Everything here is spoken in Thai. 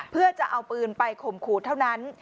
เพื่อจะเอาปืนไปข่มขู่เท่านั้น